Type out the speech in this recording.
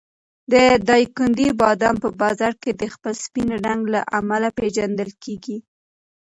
د دایکنډي بادام په بازار کې د خپل سپین رنګ له امله پېژندل کېږي.